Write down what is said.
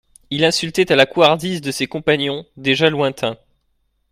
Il insultait à la couardise de ses compagnons, déjà lointains.